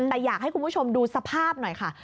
แต่อยากให้คุณผู้ชมดูสภาพหน่อยค่ะ